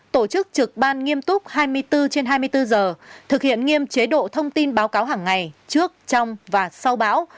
tổ chức trực ban nghiêm túc hai mươi bốn trên hai mươi bốn giờ thực hiện nghiêm chế độ thông tin báo cáo hàng ngày trước trong và sau bão